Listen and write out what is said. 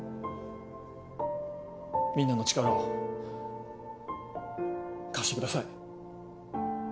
みんなの力を貸してください。